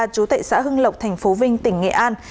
chú tệ xã hưng lộc tp vinh tỉnh nghệ an